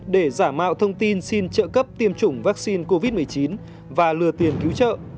để giả mạo thông tin xin trợ cấp tiêm chủng vaccine covid một mươi chín và lừa tiền cứu trợ